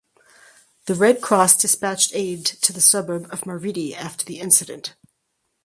The Red Cross dispatched aid to the suburb of Maridi after the incident.